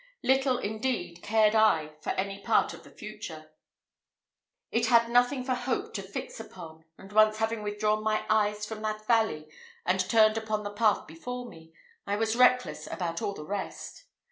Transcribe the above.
Little, indeed, cared I for any part of the future: it had nothing for hope to fix upon; and once having withdrawn my eyes from that valley, and turned upon the path before me, I was reckless about all the rest.